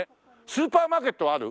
スーパーマーケットはある？